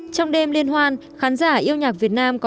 trong đêm liên hoan khán giả yêu nhạc việt nam đã đặt một bản sản